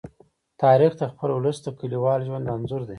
تاریخ د خپل ولس د کلیوال ژوند انځور دی.